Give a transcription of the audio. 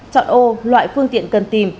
chọn ô loại phương tiện cần tìm